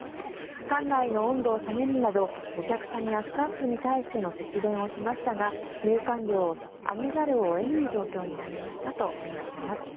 館内の温度を下げるなどお客さんやスタッフに対しての節電をしましたが入館料を上げざるを得ない状況になりましたと話しています。